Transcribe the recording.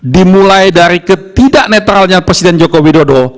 dimulai dari ketidak netralnya presiden joko widodo